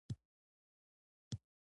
ژوندي د ژوند څرک بل ساتي